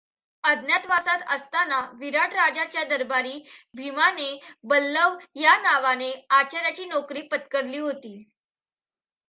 अज्ञातवासात असताना विराट राजाच्या दरबारी भीमाने बल्लव या नावाने आचार् याची नोकरी पत्करली होती.